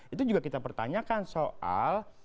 itu juga kita pertanyakan soal